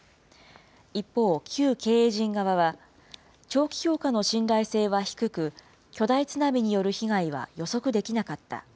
一方、旧経営陣側は、長期評価の信頼性は低く、巨大津波による被害は予測できなかった。